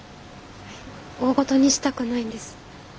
大ごとにしたくないんです。